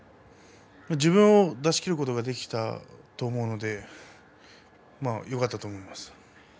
自分を出し切ることができたと思うのでよかったと思います。